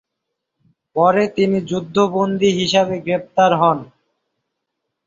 পরে তিনি যুদ্ধ বন্দী হিসাবে গ্রেপ্তার হন।